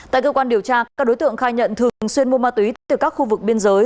tại cơ quan điều tra các đối tượng khai nhận thường xuyên mua ma túy tới từ các khu vực biên giới